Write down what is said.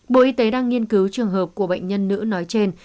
bộ y tế đang nghiên cứu trường hợp của bệnh nhân nữ nói trên